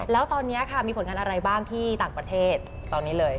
แล้วตอนนี้ค่ะมีผลงานอะไรบ้างที่ต่างประเทศตอนนี้เลย